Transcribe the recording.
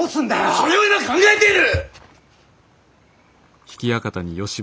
それを今考えている！